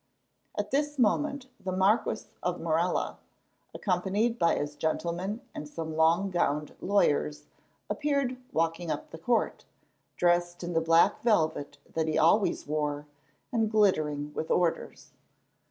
At this moment the Marquis of Morella, accompanied by his gentlemen and some long gowned lawyers, appeared walking up the court, dressed in the black velvet that he always wore, and glittering with orders.